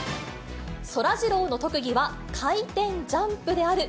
そらジローの特技は回転ジャンプである。